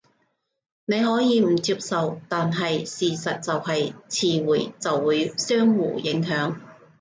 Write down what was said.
你可以唔接受，但係事實就係詞彙就會相互影響